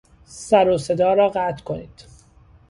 سر و صدا را قطع کنید!